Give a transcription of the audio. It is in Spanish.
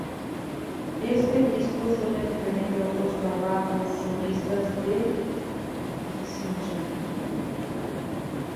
Este disco suena diferente a otros trabajos solistas de Dickinson.